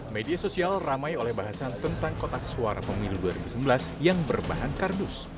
media sosial ramai oleh bahasan tentang kotak suara pemilu dua ribu sembilan belas yang berbahan kardus